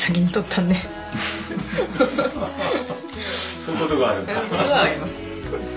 そういうことがあるんだ。